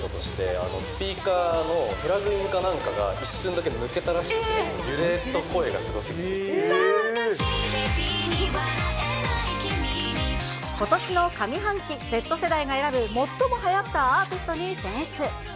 アクシデントとして、スピーカーのプラグインかなんかが一瞬だけ抜けたらしくて、ことしの上半期、Ｚ世代が選ぶ最もはやったアーティストに選出。